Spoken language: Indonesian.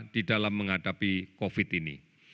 di dalam menghadapi covid sembilan belas ini